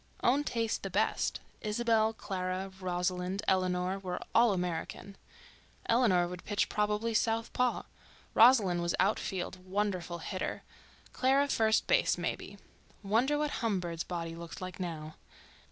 Own taste the best; Isabelle, Clara, Rosalind, Eleanor, were all American. Eleanor would pitch, probably southpaw. Rosalind was outfield, wonderful hitter, Clara first base, maybe. Wonder what Humbird's body looked like now.